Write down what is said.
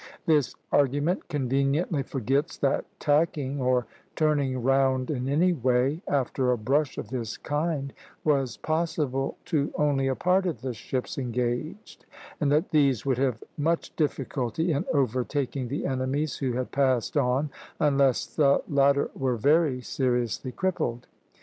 This argument conveniently forgets that tacking, or turning round in any way, after a brush of this kind, was possible to only a part of the ships engaged; and that these would have much difficulty in overtaking the enemies who had passed on, unless the latter were very seriously crippled.